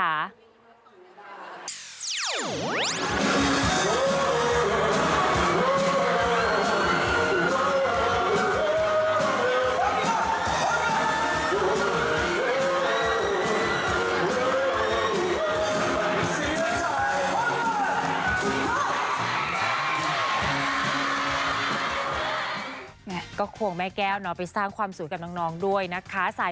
แม่ก็ควงแม่แก้วเนาะไปสร้างความสุขกับน้องด้วยนะคะ